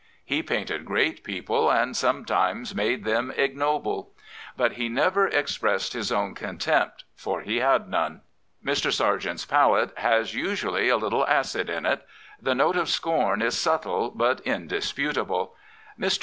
He painted great people and sometimes made them ignoble. But he never expressed his own contempt, for he had none. Mr. Sargent's pSjlgtte has usually a little afid in it. The note of scorn is subtle but indisputable. Mr.